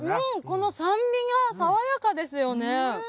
この酸味が爽やかですよね。